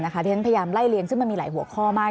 ที่ฉันพยายามไล่เลี้ยซึ่งมันมีหลายหัวข้อมาก